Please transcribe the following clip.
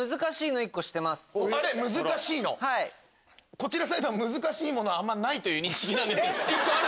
こちらサイドは難しいものはないという認識なんですけど。